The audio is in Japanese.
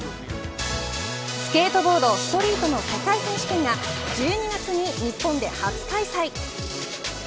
スケートボードストリートの世界選手権が１２月に日本で初開催。